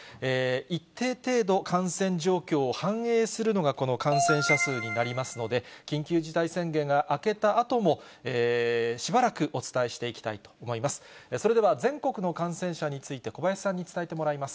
一定程度、感染状況を反映するのがこの感染者数になりますので、緊急事態宣言が明けたあとも、しばらくお伝えしていきたいと思います。